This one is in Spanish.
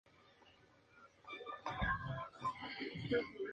El piloto fue apartado durante las siguientes ocho fechas del certamen.